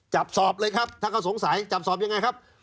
จับสอบเลยครับถ้าเขาสงสัยจับสอบยังไงครับ